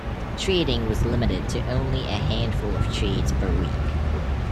Trading was limited to only a handful of trades per week.